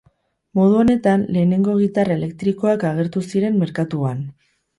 Modu honetan lehenengo gitarra elektrikoak agertu ziren merkatuan.